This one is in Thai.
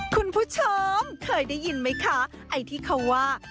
คุณผู้ชมเคยได้ยินไหมคะไอ้ที่เขาว่า